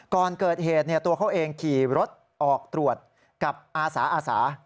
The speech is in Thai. ก่อนเกิดเหตุตัวเขาเองขี่รถออกตรวจกับอาสาอาสา